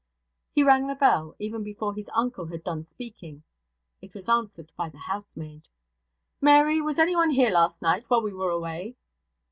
He rang the bell, even before his uncle had done speaking. It was answered by the housemaid. 'Mary, was anyone here last night, while we were away?'